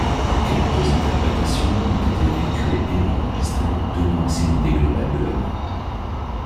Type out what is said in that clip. Quelques interprétations ont été effectuées et enregistrées, donnant ainsi une idée globale de l'œuvre.